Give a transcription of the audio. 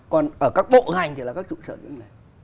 còn ở các bộ ngành thì có trụ sở như thế này